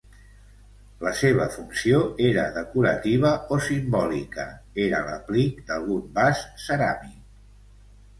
La seva funció era decorativa o simbòlica, era l'aplic d'algun vas ceràmic.